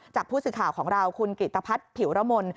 จากผู้สื่อข่าวของเราคุณกิตภัทรผิวระมน